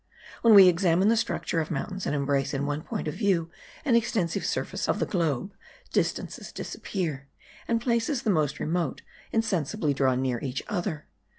When we examine the structure of mountains and embrace in one point of view an extensive surface of the globe, distances disappear; and places the most remote insensibly draw near each other.